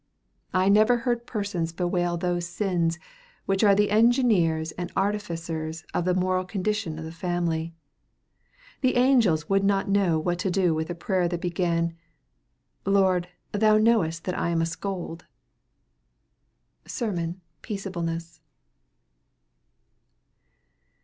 I never heard persons bewail those sins which are the engineers and artificers of the moral condition of the family. The angels would not know what to do with a prayer that began, "Lord, thou knowest that I am a scold." SERMON: 'Peaceableness.'